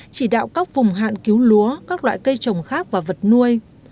chỉ đạo các vùng hạn cứu lúa các loại cây trồng khác và vật nuôi